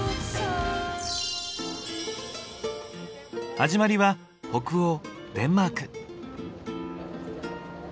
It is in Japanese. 始まりは北欧デンマーク。